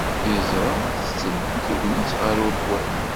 Yeẓra tetteddu tegnit ɣer urway.